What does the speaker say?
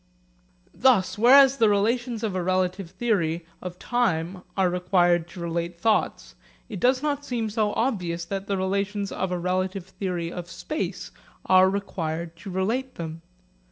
Thus whereas the relations of a relative theory of time are required to relate thoughts, it does not seem so obvious that the relations of a relative theory of space are required to relate them.